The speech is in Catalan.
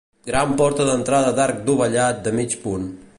Gran porta d'entrada d'arc dovellat de mig punt.